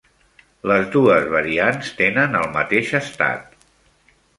Les dues variants tenen el mateix estat.